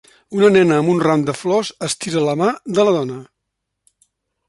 Una nena amb un ram de flors estira la mà de la dona.